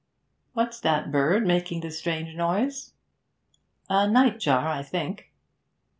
'What's that bird making the strange noise?' 'A night jar, I think.'